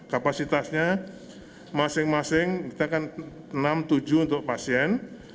kapasitasnya masing masing kita kan enam tujuh untuk pasien